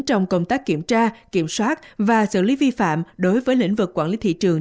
trong công tác kiểm tra kiểm soát và xử lý vi phạm đối với lĩnh vực quản lý thị trường